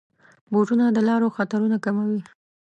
بوټونه د لارو خطرونه کموي.